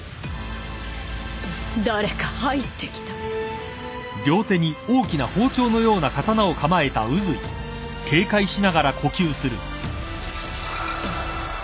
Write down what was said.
誰か入ってきたフゥー。